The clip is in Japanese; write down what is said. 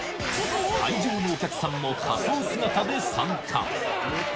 会場のお客さんも仮装姿で参加。